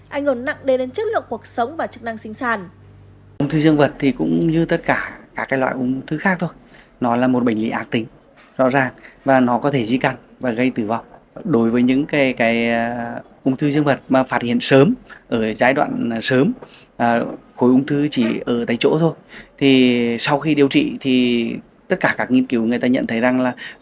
anh hồn nặng đề đến chất lượng cuộc sống và chức năng sinh sàn